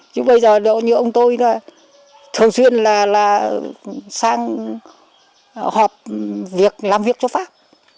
chứ bây giờ như ông tôi thường xuyên là sang họp việc làm việc cho pháp